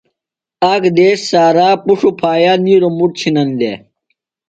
آک دیس سارا پُݜوۡ پھایہ نِیلوۡ مُٹ چِھنن دےۡ۔